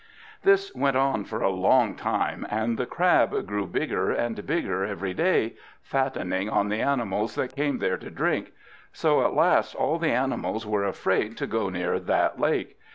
This went on for a long time, and the Crab grew bigger and bigger every day, fattening on the animals that came there to drink. So at last all the animals were afraid to go near that lake.